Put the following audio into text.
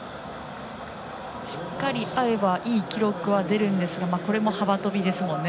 しっかり合えばいい記録は出るんですがこれも幅跳びですから。